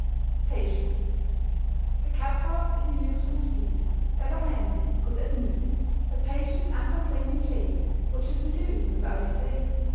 PATIENCE. The cab horse is a useful steed, Ever handy, good at need A patient uncomplaining jade, What should we do without his aid?